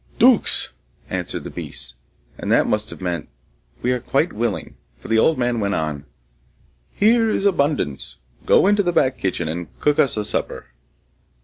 'Duks,' answered the beasts; and that must have meant, 'We are quite willing,' for the old man went on, 'Here is abundance; go into the back kitchen and cook us a supper.